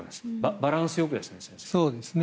バランスよくということですね先生。